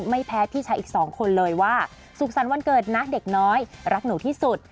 ไม่แพ้พี่ชายอีกสองคนเลยว่าสุขสรรค์วันเกิดนะเด็กน้อยรักหนูที่สุด